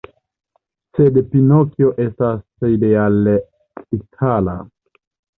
Sed Pinokjo estas ideale itala.